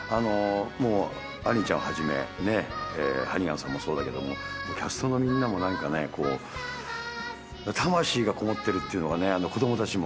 もうアニーちゃんをはじめハニガンさんもそうだけどもキャストのみんなもこう魂がこもってるっていうのがね子供たちも。